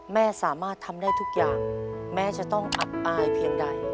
แม่สามารถทำได้ทุกอย่างแม้จะต้องอับอายเพียงใด